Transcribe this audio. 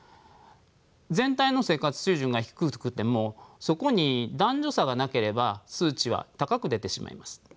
全体の生活水準が低くてもそこに男女差がなければ数値は高く出てしまいます。